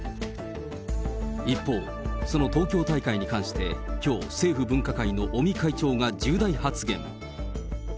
一方、その東京大会に関して、きょう、政府分科会の尾身会長が重大発言。